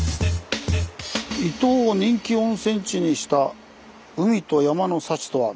「伊東を人気温泉地にした“海と山の幸”とは？」。